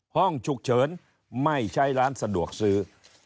ห้องฉุกเฉินไม่ใช้ร้านสะดวกซื้อ